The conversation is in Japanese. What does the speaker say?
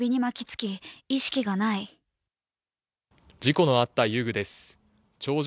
事故のあった遊具です。